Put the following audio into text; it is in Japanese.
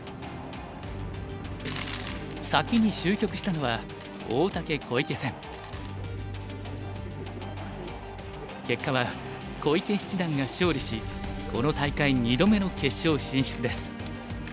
先に終局したのは結果は小池七段が勝利しこの大会２度目の決勝進出です。